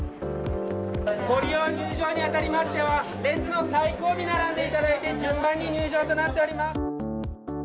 ご利用入場にあたりましては、列の最後尾に並んでいただいて、順番に入場となっております。